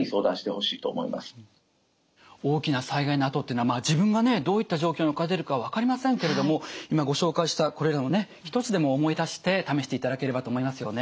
大きな災害のあとっていうのは自分がねどういった状況に置かれているか分かりませんけれども今ご紹介したこれらもね１つでも思い出して試していただければと思いますよね。